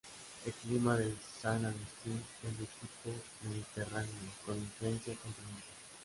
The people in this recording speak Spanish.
El clima de San Agustín es de tipo mediterráneo con influencia continental.